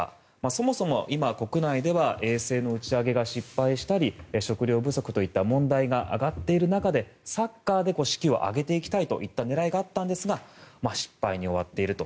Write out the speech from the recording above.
そもそも今、国内では衛星の打ち上げが失敗したり食糧不足といった問題が上がっている中でサッカーで士気を上げていきたいという狙いがあったんですが失敗に終わっていると。